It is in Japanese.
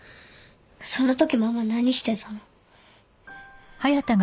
そのときママ何してたの？